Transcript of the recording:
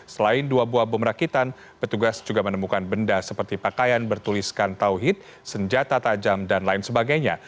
selain dua buah bom rakitan petugas juga menemukan benda seperti pakaian bertuliskan tauhid senjata tajam dan lain sebagainya